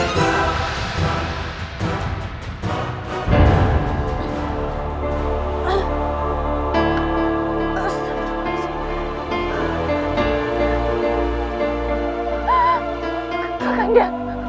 ya allah kak kandia